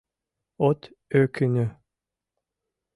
От ӧкынӧ.